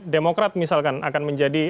demokrat misalkan akan menjadi